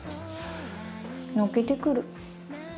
泣けてくる。